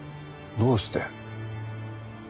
どうして？